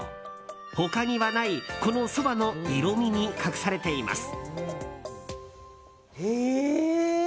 他にはないこのそばの色味に隠されています。